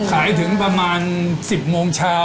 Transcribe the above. ถึงประมาณ๑๐โมงเช้า